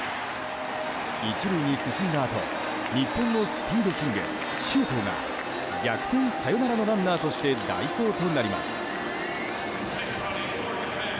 １塁に進んだあと日本のスピードキング、周東が逆転サヨナラのランナーとして代走となります。